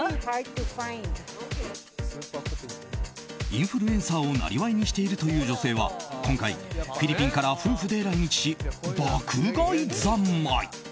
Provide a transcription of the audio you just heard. インフルエンサーをなりわいにしているという女性は今回フィリピンから夫婦で来日し爆買い三昧。